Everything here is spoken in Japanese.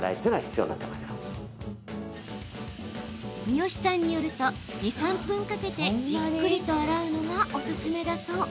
三好さんによると２３分かけてじっくりと洗うのがおすすめだそう。